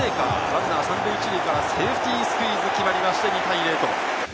ランナー３塁１塁からセーフティースクイズが決まって２対０。